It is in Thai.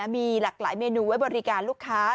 มีหลากหลายเมนูไว้บริการลูกค้า